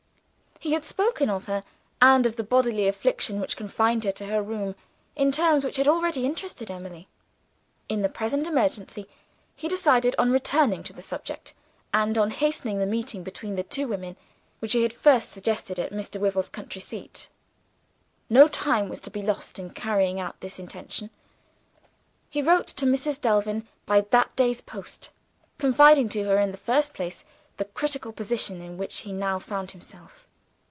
He had spoken of her, and of the bodily affliction which confined her to her room, in terms which had already interested Emily. In the present emergency, he decided on returning to the subject, and on hastening the meeting between the two women which he had first suggested at Mr. Wyvil's country seat. No time was to be lost in carrying out this intention. He wrote to Mrs. Delvin by that day's post; confiding to her, in the first place, the critical position in which he now found himself.